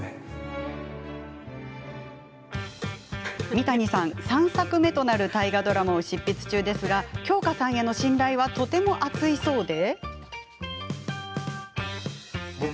三谷さん、３作目となる大河ドラマを執筆中ですが京香さんへの信頼はとても厚いそうで。